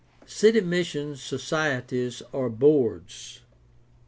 City mission societies or boards.